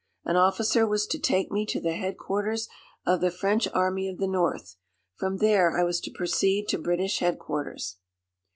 An officer was to take me to the headquarters of the French Army of the North. From there I was to proceed to British headquarters.